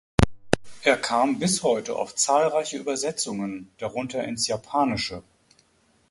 Er kam bis heute auf zahlreiche Übersetzungen, darunter ins Japanische.